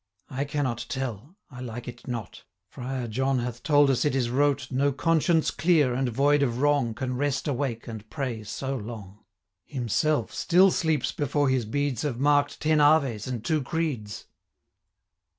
I cannot tell I like it not Friar John hath told us it is wrote, No conscience clear, and void of wrong, 450 Can rest awake, and pray so long. Himself still sleeps before his beads Have mark'd ten aves, and two creeds.'